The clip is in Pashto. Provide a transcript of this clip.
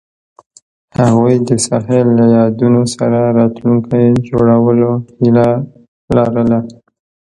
هغوی د ساحل له یادونو سره راتلونکی جوړولو هیله لرله.